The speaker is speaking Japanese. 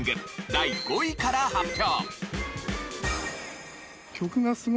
第５位から発表。